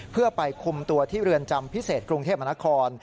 เพื่อไปคุมตัวที่เรือนจำพิเศษกรุงเทพมนาคม